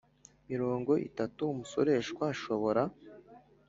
mirongo itatu Umusoreshwa ashobora